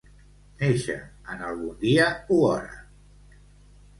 Néixer en algun dia o hora.